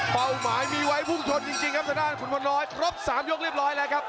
เป้าหมายมีไว้พุ่งชนจริงครับทางด้านขุนพลน้อยครบ๓ยกเรียบร้อยแล้วครับ